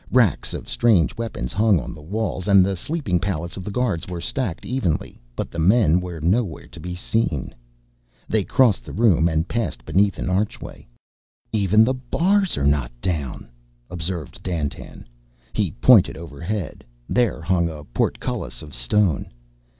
Racks of strange weapons hung on the walls and the sleeping pallets of the guards were stacked evenly, but the men were nowhere to be seen. They crossed the room and passed beneath an archway. "Even the bars are not down," observed Dandtan. He pointed overhead. There hung a portcullis of stone.